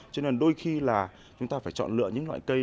cho nên đôi khi là chúng ta phải chọn lựa những loại cây